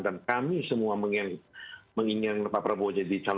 dan kami semua menginginkan pak prabowo jadi capres